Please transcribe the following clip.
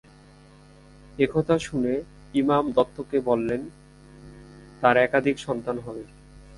এ কথা শুনে ইমাম দত্তকে বললেন, তার একাধিক সন্তান হবে।